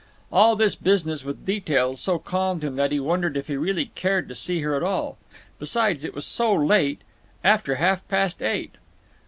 All this business with details so calmed him that he wondered if he really cared to see her at all. Besides, it was so late—after half past eight.